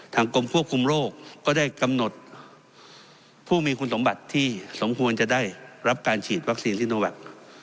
กรมควบคุมโรคก็ได้กำหนดผู้มีคุณสมบัติที่สมควรจะได้รับการฉีดวัคซีนซิโนแวค